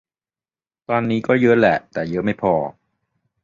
ตอนนี้ก็เยอะแหละ แต่เยอะไม่พอ